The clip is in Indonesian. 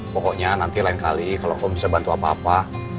pokoknya nanti lain kali kalau kamu bisa bantu apa apa